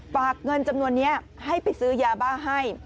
ฝากเงินจำนวนนี้ให้ไปซื้อยาบ้าให้